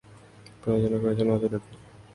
প্রযোজনা করেছেন অজয় দেবগন।